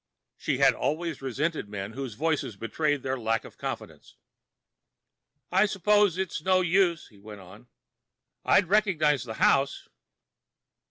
She had always resented men whose voices betrayed their lack of confidence. "I suppose it's no use," he went on. "I'd recognize the house."